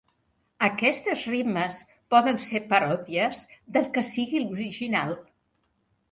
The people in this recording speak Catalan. Aquestes rimes poden ser paròdies del que sigui l'original.